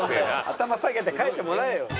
頭下げて描いてもらえよ。